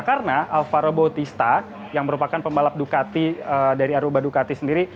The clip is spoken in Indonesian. karena alvaro bautista yang merupakan pembalap ducati dari aruba ducati sendiri